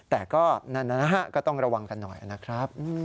แต่ก็นั่นนะฮะก็ต้องระวังกันหน่อยนะครับ